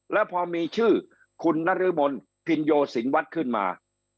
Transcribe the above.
แล้วพอมีชื่อคุณนรมนพินโยสินวัฒน์ขึ้นมา